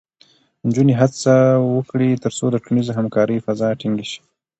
نجونې هڅه وکړي، ترڅو د ټولنیزې همکارۍ فضا ټینګې شي.